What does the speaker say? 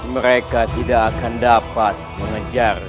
mereka tidak akan dapat mengejar